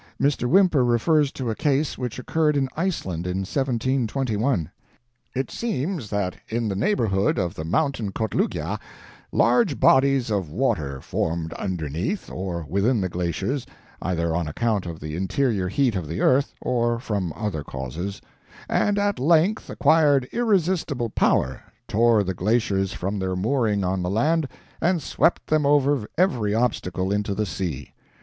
Mr. Whymper refers to a case which occurred in Iceland in 1721: "It seems that in the neighborhood of the mountain Kotlugja, large bodies of water formed underneath, or within the glaciers (either on account of the interior heat of the earth, or from other causes), and at length acquired irresistible power, tore the glaciers from their mooring on the land, and swept them over every obstacle into the sea.